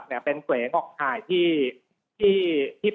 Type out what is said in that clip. พอหลักเป็นเกวงออกถ่ายที่เป็นตัวหลักเนี่ย